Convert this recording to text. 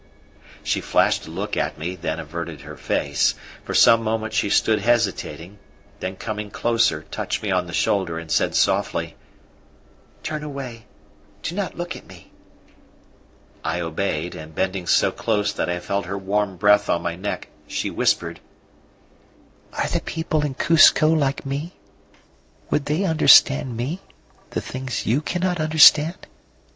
She flashed a look at me, then averted her face. For some moments she stood hesitating; then, coming closer, touched me on the shoulder and said softly: "Turn away, do not look at me." I obeyed, and bending so close that I felt her warm breath on my neck, she whispered: "Are the people in Cuzco like me? Would they understand me the things you cannot understand?